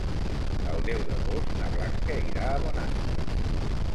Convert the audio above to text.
El deu d'agost na Blanca irà a Bonastre.